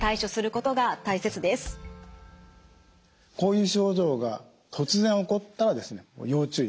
こういう症状が突然起こったら要注意。